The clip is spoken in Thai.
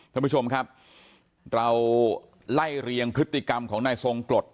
ท่านผู้ชมครับเราไล่เรียงพฤติกรรมของนายทรงกรด